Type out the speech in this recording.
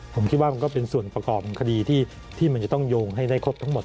ผมคิดว่ามันก็เป็นส่วนประกอบของคดีที่มันจะต้องโยงให้ได้ครบทั้งหมด